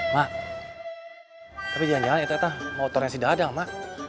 ma tapi jangan jangan itu motornya si dadang ma